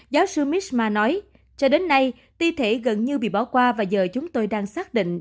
giáo sư misma nói cho đến nay thi thể gần như bị bỏ qua và giờ chúng tôi đang xác định